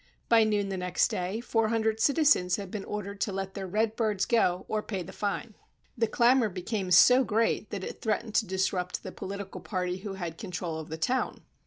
By noon the next day, four hun dred citizens had been ordered to let their red birds go or pay the fine. The clamor became so great that it threatened to disrupt the political * party who had control of the town.